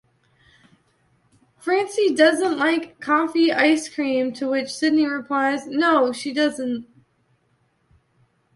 Francie doesn't like coffee ice cream," to which Sydney replies, "No, she doesn't.